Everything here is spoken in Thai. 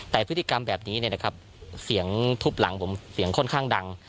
แต่พฤติกรรมแบบนี้เสียงถูบหลังผมเสียงค่อนข้างดัง